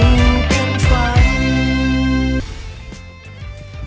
อย่าลืมเล่าสู่กันฟัง